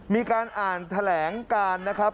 มีการอ่านแถลงการนะครับ